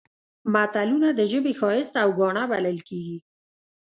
متلونه د ژبې ښایست او ګاڼه بلل کېږي